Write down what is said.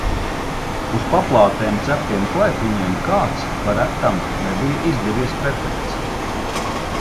Uz paplātēm ceptiem klaipiņiem kāds, pa retam, nebija izdevies perfekts.